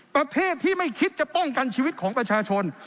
ประเทศที่ไม่คิดจะป้องกันชีวิตของประชาชน